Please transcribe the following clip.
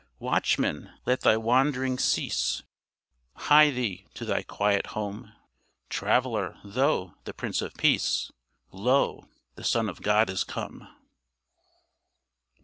Watchman! let thy wanderings cease; Hie thee to thy quiet home: Traveler! lo! the Prince of Peace, Lo! the Son of God is come!